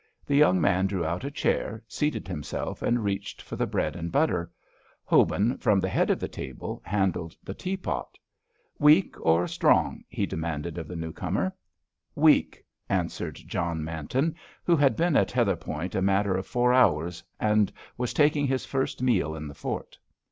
The young man drew out a chair, seated himself, and reached for the bread and butter. Hobin, from the head of the table, handled the teapot. "Weak or strong?" he demanded of the new comer. "Weak," answered John Manton, who had been at Heatherpoint a matter of four hours, and was taking his first meal in the fort.